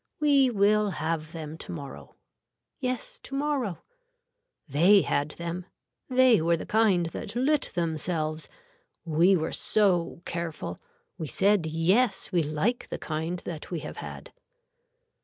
We will have them to morrow. Yes tomorrow. They had them. They were the kind that lit themselves. We were so careful. We said yes we like the kind that we have had.